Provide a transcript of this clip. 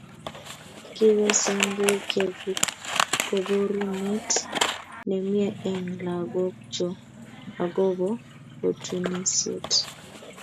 kigoseengeei keegu koboruneet nemie eng lakokchoo akobo kotunisieet